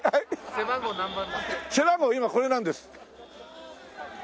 背番号今これなんです。